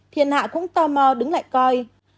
thiên hạ cũng tò mò đứng lại coi